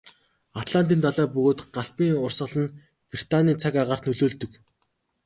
Атлантын далай болоод Галфын урсгал нь Британийн цаг агаарт нөлөөлдөг.